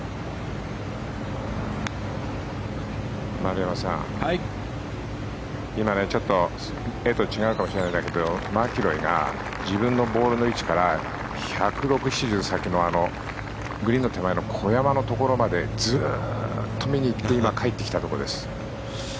丸山さん、今ちょっと画と違うかもしれないけどマキロイが自分のボールの位置から１６０１７０先のグリーンの手前の小山のところまでずっと見に行って今、帰ってきたところです。